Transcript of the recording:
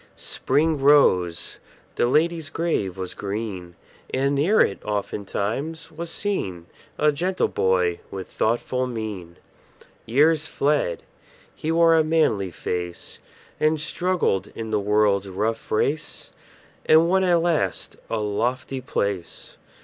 Spring rose; the lady's grave was green; And near it, oftentimes, was seen A gentle boy with thoughtful mien. Years fled; he wore a manly face, And struggled in the world's rough race, And won at last a lofty place.